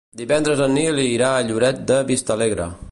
Divendres en Nil irà a Lloret de Vistalegre.